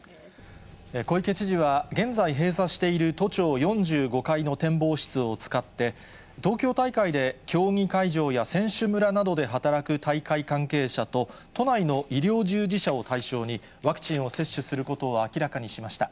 小池知事は現在、閉鎖している都庁４５階の展望室を使って、東京大会で競技会場や選手村などで働く大会関係者と、都内の医療従事者を対象に、ワクチンを接種することを明らかにしました。